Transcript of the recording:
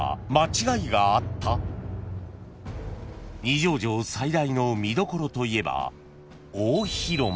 ［二条城最大の見どころといえば］